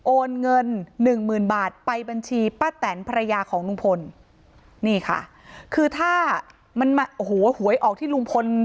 โอนเงิน๑๐๐๐๐บาทไปบัญชีป้าแตนพระยาของลุงพล